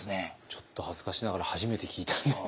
ちょっと恥ずかしながら初めて聞いたんですが。